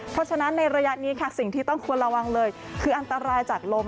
เพราะฉะนั้นในระยะนี้ค่ะสิ่งที่ต้องควรระวังเลยคืออันตรายจากลม